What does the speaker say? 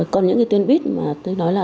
còn những cái tuyến buýt mà tôi nói là